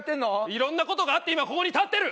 いろんな事があって今ここに立ってる！